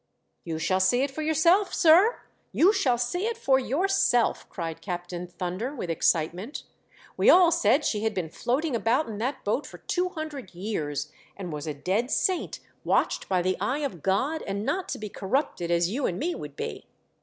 '* You shall see it for yourself, sir — you shall see it for yourself!" cried Captain Thunder, with excitement. " We all said she had been floating about in that boat for two hundred years, and was a dead saint watched by the eye of God, and not to be corrupted as you and me would be.